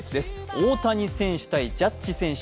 大谷選手対ジャッジ選手。